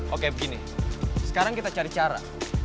oke begini sekarang kita cari cara